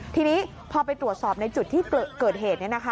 ทีนี้พอไปตรวจสอบในจุดที่เกิดเหตุ